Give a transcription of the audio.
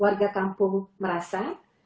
warga kampung merasa